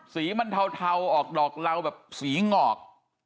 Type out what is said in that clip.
สีมันเทาออกดอกเหล่าแบบสีงอก